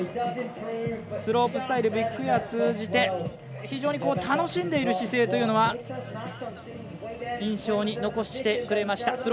スロープスタイルビッグエア通じて非常に楽しんでいる姿勢というのは印象に残してくれました。